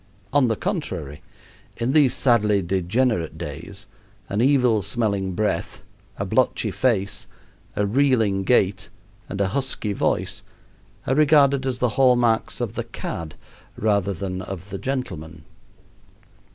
On the contrary, in these sadly degenerate days an evil smelling breath, a blotchy face, a reeling gait, and a husky voice are regarded as the hall marks of the cad rather than or the gentleman.